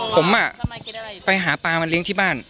ผมไปหาปลามาเลี้ยงที่บ้าน